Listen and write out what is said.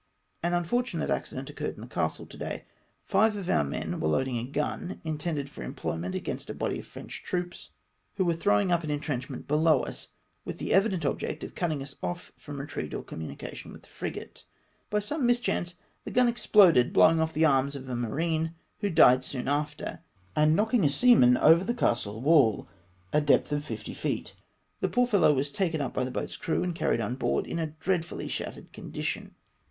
An unfortunate accident occurred in the castle to day. Five of our men were loading a gun, intended for employment against a body of French troops, who 314 UNFOETUNATE ACCIDENT. were throwing up an intrencliment below us, with the evident object of cutting us off from retreat or com munication with the frigate ; by some mischance the gun exploded, blo^\dng off the arms of a marine, who died soon after, and knocking a seaman over the castle wall, a depth of fifty feet. The poor feUow was taken up by the boat's crew, and carried on board in a dreadfully shattered condition.